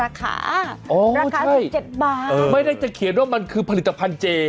ราคา๑๗บาทไม่ได้ที่คิดว่ามันคือผลิตภัณฑ์เจ